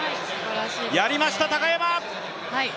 やりました高山！